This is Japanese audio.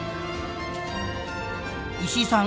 石井さん